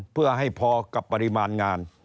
เพื่อให้พอกับปริมาณงาน